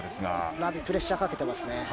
ラビ、プレッシャーかけてますね。